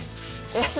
えっ？